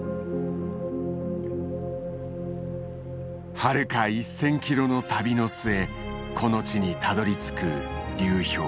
はるか１，０００キロの旅の末この地にたどりつく流氷。